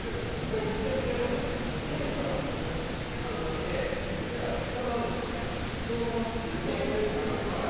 めちゃくちゃうまいっすねチーズがびょーんって伸びて口の中でかたまるんじゃなくてそのまま溶けていきます。